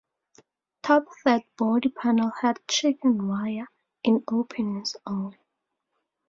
Top third body panel had "chicken wire" in openings only.